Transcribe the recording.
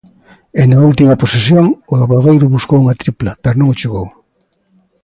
E na última posesión, o Obradoiro buscou unha tripla, pero non chegou.